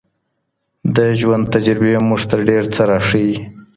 د ژوند تجربې موږ ته ډېر څه راښيي.